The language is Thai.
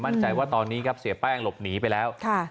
มั่นใจว่าตอนนี้ครับเสียแป้งหลบหนีไปแล้ว